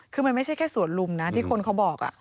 คือมันไม่ใช่แค่สวนลุมนะที่คนเขาบอก